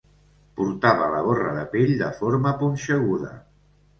Portava la gorra de pell, de forma punxeguda